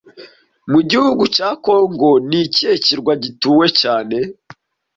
Mu gihugu cya Congo, ni ikihe kirwa gituwe cyane